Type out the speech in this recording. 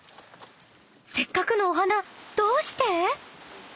［せっかくのお花どうして？］